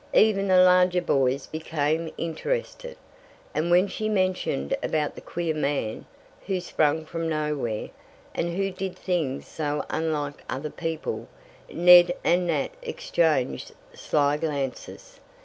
Even the larger boys became interested, and when she mentioned about the queer man, who sprang from nowhere, and who did things so unlike other people, Ned and Nat exchanged sly glances.